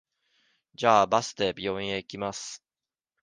じゃあ、バスで病院へ行きます。